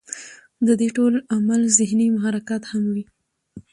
د دې ټول عمل ذهني محرکات هم وي